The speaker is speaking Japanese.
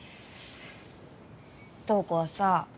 瞳子はさ